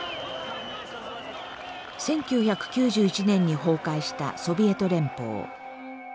１９９１年に崩壊したソビエト連邦。